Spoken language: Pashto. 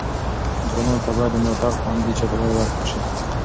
ځوانانو ته باید د ملاتړ خوندي چاپیریال ورکړل شي.